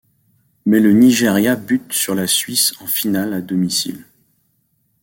Mais le Nigeria bute sur la Suisse en finale à domicile.